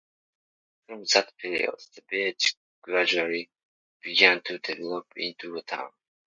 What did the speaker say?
From that period, the village gradually began to develop into a town.